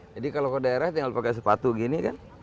jadi kalau ke daerah tinggal pakai sepatu gini kan